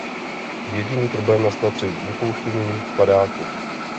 Jediný problém nastal při vypouštění padáků.